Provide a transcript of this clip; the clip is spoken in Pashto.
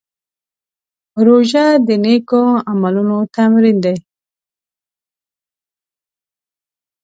روژه د نېکو عملونو تمرین دی.